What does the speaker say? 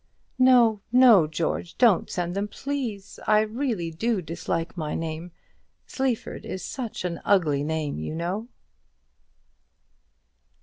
"No, no, George; don't send them, please; I really do dislike the name. Sleaford is such an ugly name, you know."